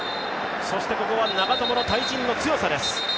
そしてここは長友の対陣の強さです。